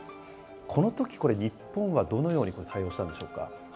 このとき、これ、日本はどのように対応したんでしょうか？